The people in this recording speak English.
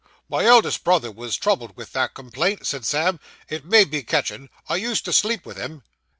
'My eldest brother was troubled with that complaint,' said Sam; 'it may be catching I used to sleep with him.